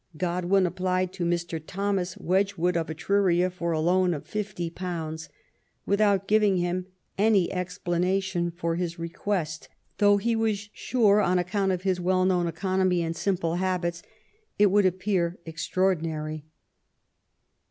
Godwin applied to Mr. Thomas Wedgwood of Etruria for a loan of £50, without giving him any explanation for his request, though he was sure, on account of his well known economy and simple habits, it would appear 192 MARY WOLLSTOyECBAPT GODWIN. extraordinary.